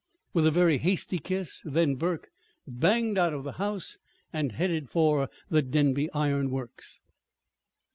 With a very hasty kiss then Burke banged out of the house and headed for the Denby Iron Works.